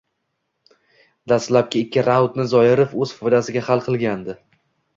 Dastlabki ikki raundni Zoirov o‘z foydasiga hal qilgandi